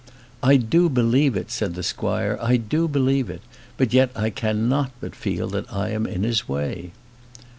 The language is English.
"I do believe it," said the squire; "I do believe it. But yet, I cannot but feel that I am in his way."